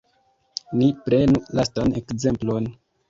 Ni prenu lastan ekzemplon.